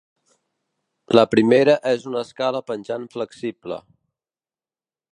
La primera és una escala penjant flexible.